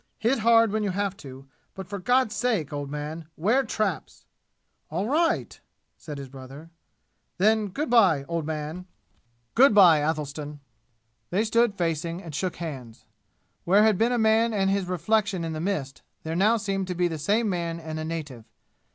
Hit hard when you have to, but for God's sake, old man, ware traps!" "All right," said his brother. "Then good by, old man!" "Good by, Athelstan!" They stood facing and shook hands. Where had been a man and his reflection in the mist, there now seemed to be the same man and a native.